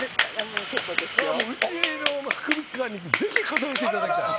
うちの博物館にぜひ飾らせていただきたい！